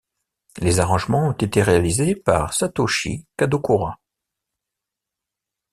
Les arrangements ont été réalisés par Satoshi Kadokura.